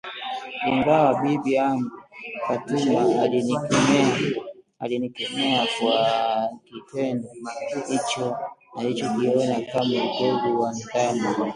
Ingawa bibi yangu Fatuma alinikemea kwa kitendo hicho alichokiona kama utovu wa nidhamu